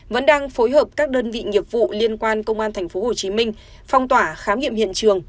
vẫn đang phối hợp các đơn vị nghiệp vụ liên quan công an thành phố hồ chí minh phong tỏa khám nghiệm hiện trường